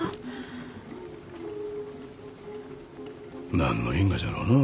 何の因果じゃろうのう。